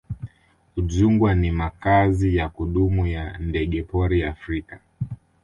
udzungwa ni makazi ya kudumu ya ndegepori africa